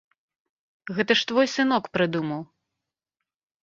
Гэта ж твой сынок прыдумаў!